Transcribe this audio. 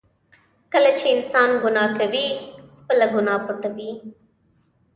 کله چې انسان ګناه کوي، خپله ګناه پټوي.